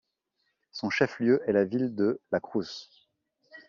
Son chef-lieu est la ville de La Cruz.